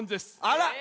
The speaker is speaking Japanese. あら。